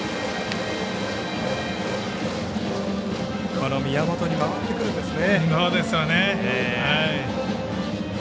この宮本に回ってくるんですね。